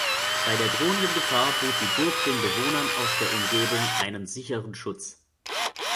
Bei drohender Gefahr bot die Burg den Bewohnern aus der Umgebung einen sicheren Schutz.